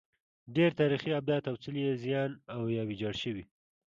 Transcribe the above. ډېری تاریخي ابدات او څلي یې زیان او یا ویجاړ شوي.